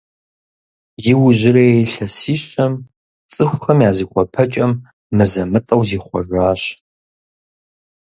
Иужьрей илъэсищэм цӏыхухэм я зыхуэпэкӏэм мызэ-мытӏэу зихъуэжащ.